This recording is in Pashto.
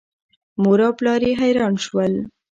مور او پلار یې حیران شول.